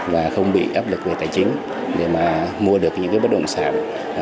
và không bị áp lực về tài chính để mà mua được những cái bất động sản